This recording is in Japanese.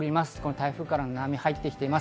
台風からの波が入っています。